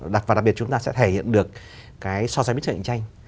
đặc và đặc biệt chúng ta sẽ thể hiện được cái so sánh với cạnh tranh